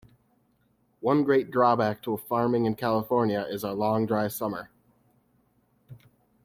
One great drawback to farming in California is our long dry summer.